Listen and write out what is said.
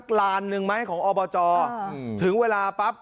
ผมฝากถึงนายกอปจที่กำลังลงสมัครกันอยู่